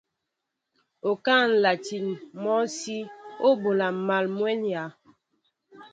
Okáá nlatin mɔsí o ɓola mal mwenya.